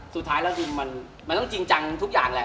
สุดท้ายแล้วคือมันต้องจริงจังทุกอย่างแหละ